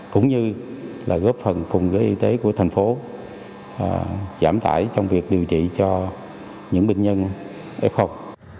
cũng như góp phần cùng với y tế của thành phố giảm tải trong việc điều trị cho những bệnh nhân ếch học